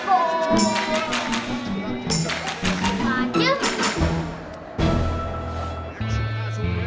emang bisa jadi seperti dulu asyik aroma